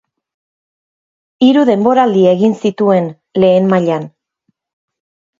Hiru denboraldi egin zituen lehen mailan.